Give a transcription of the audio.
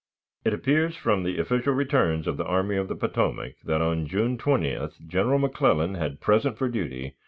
It appears from the official returns of the Army of the Potomac that on June 20th General McClellan had present for duty 115,102 men.